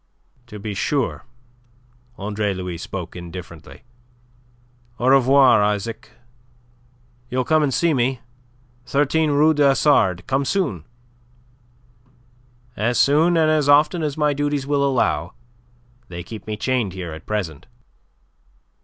"To be sure." Andre Louis spoke indifferently. "Au revoir, Isaac! You'll come and see me 13 Rue du Hasard. Come soon." "As soon and as often as my duties will allow. They keep me chained here at present."